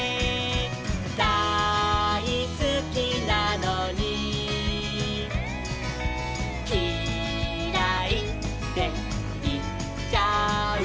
「だいすきなのにキライっていっちゃう」